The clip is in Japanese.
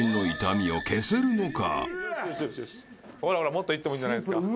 もっといってもいいんじゃないですか。